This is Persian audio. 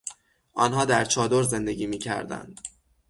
آنها در چادر زندگی میکردند.